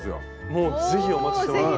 もうぜひお持ちしてます。